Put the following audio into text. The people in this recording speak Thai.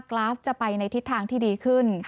กราฟจะไปในทิศทางที่ดีขึ้น